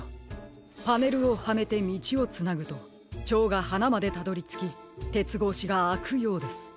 パネルをはめてみちをつなぐとチョウがはなまでたどりつきてつごうしがあくようです。